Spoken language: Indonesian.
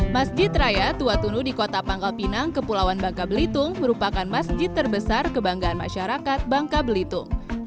masjid raya tua tunu di kota pangkal pinang kepulauan bangka belitung merupakan masjid terbesar kebanggaan masyarakat bangka belitung